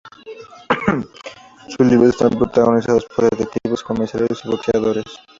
Sus libros están protagonizados por detectives, comisarios y boxeadores.